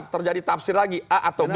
terjadi tafsir lagi a atau b